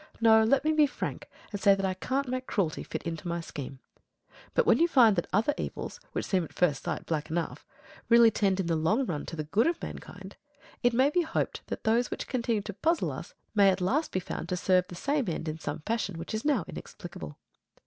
No; let me be frank, and say that I can't make cruelty fit into my scheme. But when you find that other evils, which seem at first sight black enough, really tend in the long run to the good of mankind, it may be hoped that those which continue to puzzle us may at last be found to serve the same end in some fashion which is now inexplicable.